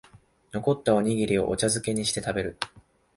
残ったおにぎりをお茶づけにして食べる